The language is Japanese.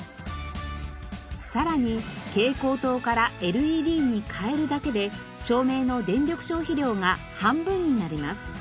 さらに蛍光灯からＬＥＤに替えるだけで照明の電力消費量が半分になります。